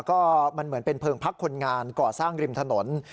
ก็มันเหมือนเป็นเพลิงพักคนงานก่อสร้างริมถนน